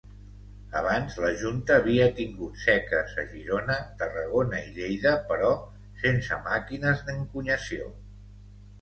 Abans la Junta havia tingut seques a Girona, Tarragona i Lleida, però sense màquines d'encunyació.